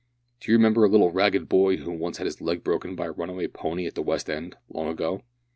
"Do you remember a little ragged boy who once had his leg broken by a runaway pony at the West end long ago?"